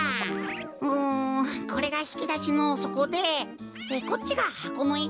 うんこれがひきだしのそこでこっちがはこのいたかな。